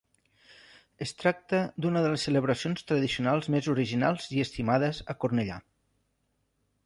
Es tracta d’una de les celebracions tradicionals més originals i estimades a Cornellà.